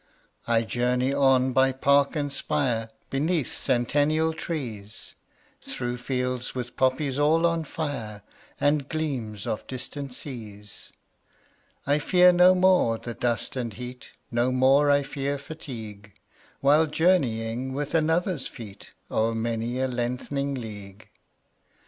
20 I journey on by park and spire, Beneath centennial trees, Through fields with poppies all on fire, And gleams of distant seas. I fear no more the dust and heat, 25 No more I fear fatigue, While journeying with another's feet O'er many a lengthening league.